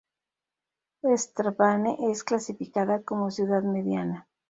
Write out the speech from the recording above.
Strabane es clasificada como "ciudad mediana".